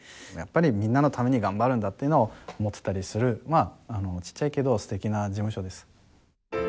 やっぱりみんなのために頑張るんだっていうのを持ってたりするちっちゃいけど素敵な事務所です。